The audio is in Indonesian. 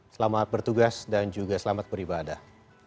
selamat bertugas dan juga selamat beribadah